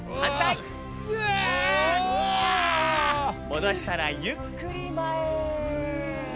もどしたらゆっくりまえへ。